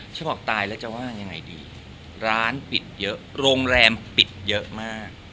ฉันบอกตายแล้วจะว่ายังไงดีร้านปิดเยอะโรงแรมปิดเยอะมาก